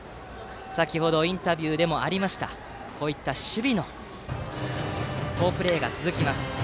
先程インタビューでもありましたこういった守備の好プレーが続きます。